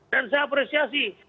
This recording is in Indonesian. dan saya apresiasi